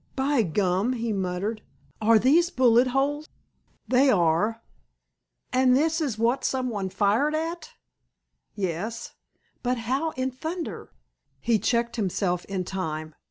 "By gum!" he muttered. "Are these bullet holes?" "They are." "An' is this what someone fired at?" "Yes." "But how in thunder—" He checked himself in time.